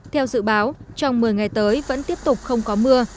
theo dự báo trong một mươi ngày tới vẫn tiếp tục không có mưa